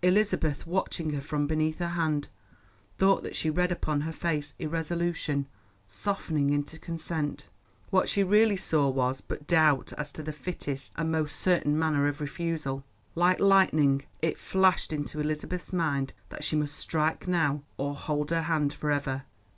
Elizabeth, watching her from beneath her hand, thought that she read upon her face irresolution, softening into consent. What she really saw was but doubt as to the fittest and most certain manner of refusal. Like lightning it flashed into Elizabeth's mind that she must strike now, or hold her hand for ever.